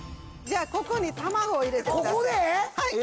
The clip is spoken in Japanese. じゃあここに卵を入れてください